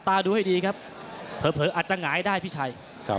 เดี๋ยวดูนะครับวันนี้ต่างคนต่างเตรียมแผนมาแก้มือครับ